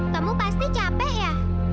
kamu pasti capek ya